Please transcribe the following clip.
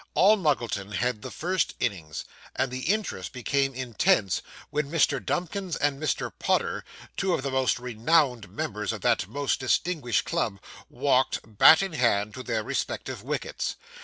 All Muggleton had the first innings; and the interest became intense when Mr. Dumkins and Mr. Podder, two of the most renowned members of that most distinguished club, walked, bat in hand, to their respective wickets.